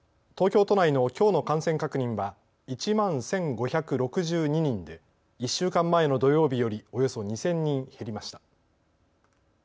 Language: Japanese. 東京都内のきょうの感染確認は１万１５６２人で１週間前の土曜日よりおよそ２０００人減りました。